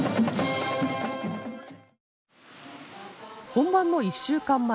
本番の１週間前。